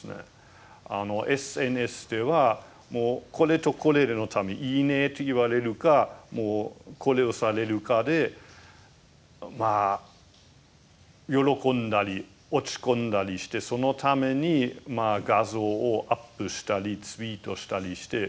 ＳＮＳではもうこれとこれのためいいねと言われるかこれをされるかでまあ喜んだり落ち込んだりしてそのために画像をアップしたりツイートしたりして。